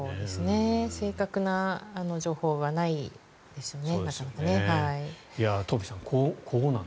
正確な情報がないですよね。